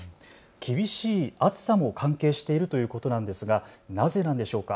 厳しい暑さも関係しているということなんですが、なぜなんでしょうか。